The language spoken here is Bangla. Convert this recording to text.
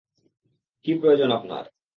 কী প্রয়োজন আপনার?